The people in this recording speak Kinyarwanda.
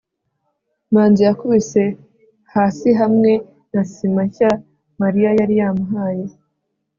manzi yakubise hasi hamwe na sima nshya mariya yari yamuhaye